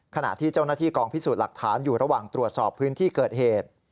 ขณะที่เจ้าหน้าที่กองพิสูจน์หลักฐานอยู่ระหว่างตรวจสอบพื้นที่เกิดเหตุ